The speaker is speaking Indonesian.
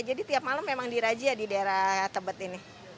jadi tiap malam memang di rajia di daerah tebet ini